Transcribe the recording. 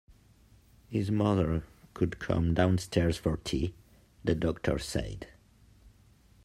His mother could come downstairs for tea, the doctor said.